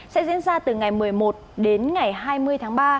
sẽ diễn ra từ ngày một mươi một đến ngày hai mươi tháng ba